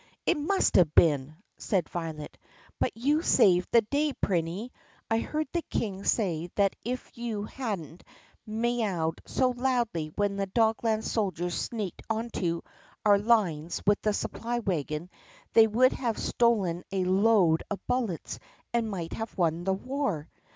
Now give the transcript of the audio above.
"It must have been!" said Violet. "But you saved the day, Prinny! I heard the King say that if you hadn't mee owed so loudly when the Dogland soldiers sneaked into our lines with the supply wagon they would have stolen a load of bullets and might have won the war